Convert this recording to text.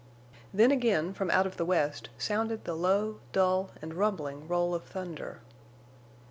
Then again from out of the west sounded the low, dull, and rumbling roll of thunder.